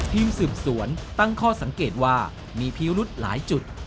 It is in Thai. ทีมสืบสวนตั้งข้อสังเกตว่ามีพิรุธหลายจุด